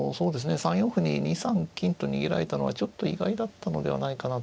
３四歩に２三金と逃げられたのはちょっと意外だったのではないかなと。